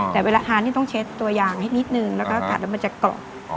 แต่เวลาทานนี่ต้องเช็ดตัวยางให้นิดนึงแล้วก็กัดแล้วมันจะกรอบ